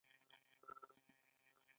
د خپل وطن ساتنه د ټولو مسوولیت دی.